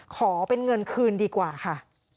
ขอเป็นเงินคืนดีกว่าค่ะ